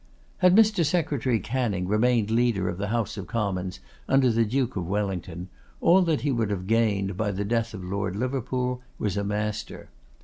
Had Mr. Secretary Canning remained leader of the House of Commons under the Duke of Wellington, all that he would have gained by the death of Lord Liverpool was a master.